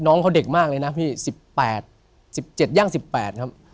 น้องเขาเด็กมากเลยนะพี่๑๘๑๗ย่าง๑๘ครับ